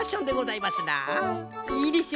いいでしょ？